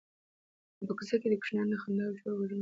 په کوڅه کې د کوچنیانو د خندا او شور غږونه پورته کېږي.